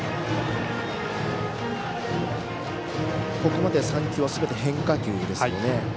ここまで３球すべて変化球ですね。